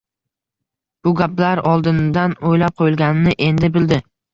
Bu gaplar oldindan o‘ylab qo‘yilganini endi bildi.